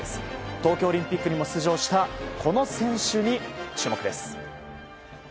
東京オリンピックにも出場したこの選手に注目です。